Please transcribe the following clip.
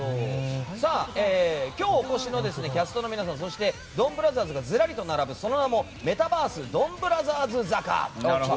今日、お越しのキャストの皆さんそして、ドンブラザーズがずらりと並ぶ、その名もメタバースドンブラザーズ坂。